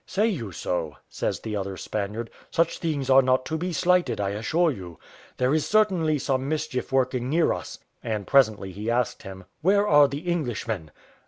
"Say you so?" says the other Spaniard; "such things are not to be slighted, I assure you; there is certainly some mischief working near us;" and presently he asked him, "Where are the Englishmen?"